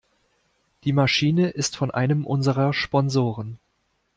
Die Maschine ist von einem unserer Sponsoren.